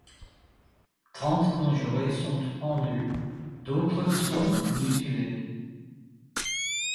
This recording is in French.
Trente conjurés sont pendus, d'autres sont mutilés.